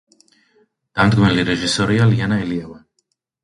დამდგმელი რეჟისორია ლიანა ელიავა.